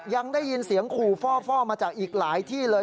ยังได้ยินเสียงขู่ฟ่อมาจากอีกหลายที่เลย